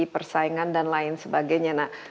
persaingan dan lain sebagainya